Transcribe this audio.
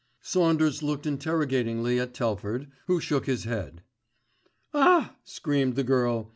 Saunders looked interrogatingly at Telford, who shook his head. "Ah!" screamed the girl.